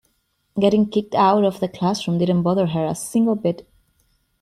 Getting kicked out of the classroom didn't bother her a single bit.